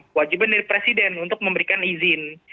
kewajiban dari presiden untuk memberikan izin